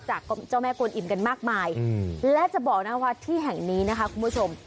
จากเจ้าแม่กวนอิ่มกันมากมายและจะบอกนะว่าที่แห่งนี้นะคะคุณผู้ชม